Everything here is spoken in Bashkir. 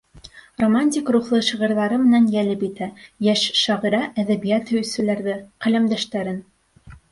Романтик рухлы шиғырҙары менән йәлеп итә йәш шағирә әҙәбиәт һөйөүселәрҙе, ҡәләмдәштәрен.